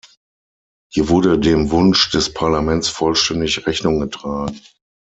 Hier wurde dem Wunsch des Parlaments vollständig Rechnung getragen.